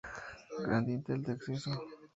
Gran dintel de acceso.